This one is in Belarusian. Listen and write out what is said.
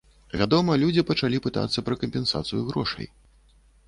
Вядома, людзі пачалі пытацца пра кампенсацыю грошай.